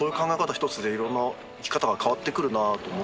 ひとつでいろんな生き方が変わってくるなと思って。